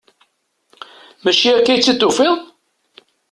Mačči akka i tt-id-tufiḍ?